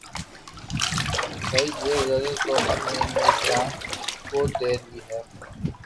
بھئی یہ غزل تو ہم نے نور جہاں کو دے دی ہے